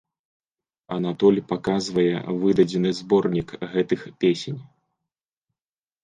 Анатоль паказвае выдадзены зборнік гэтых песень.